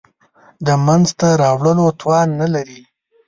د منځته راوړلو توان نه لري.